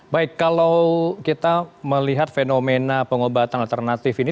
baik kalau kita melihat fenomena pengobatan alternatif ini